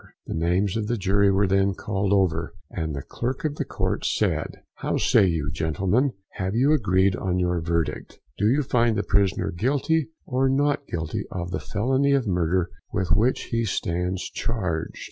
The names of the jury were then called over, and the clerk of the court said "How say you, gentlemen, have you agreed on your verdict? Do you find the prisoner Guilty or Not Guilty of the felony of murder with which he stands charged?"